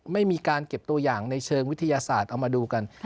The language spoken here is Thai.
ไม่มีการเก็บตัวอย่างในเชิงวิทยาศาสตร์เอามาดูกัน